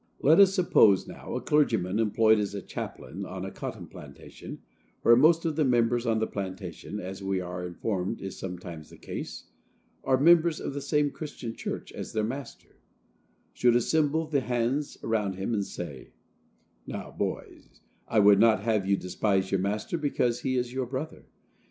Let us suppose, now, a clergyman, employed as a chaplain on a cotton plantation, where most of the members on the plantation, as we are informed is sometimes the case, are members of the same Christian church as their master, should assemble the hands around him and say, "Now, boys, I would not have you despise your master because he is your brother.